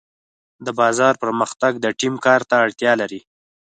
د بازار پرمختګ د ټیم کار ته اړتیا لري.